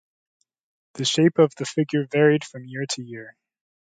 The shape of the figure varied from year to year.